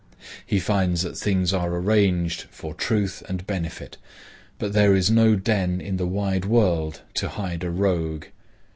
He finds that things are arranged for truth and benefit, but there is no den in the wide world to hide a rogue.